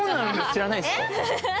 知らないですか。